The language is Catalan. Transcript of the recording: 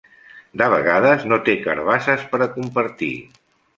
De vegades no té carabasses per a compartir.